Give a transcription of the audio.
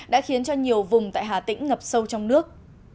đã khiến cho nhiều vùng tại hà tĩnh ngập sâu trong nước